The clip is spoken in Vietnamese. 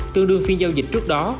tương đương phiên giao dịch trước đó